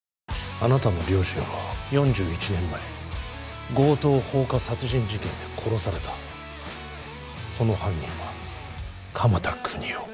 あなたの両親は４１年前強盗放火殺人事件で殺されたその犯人は鎌田國士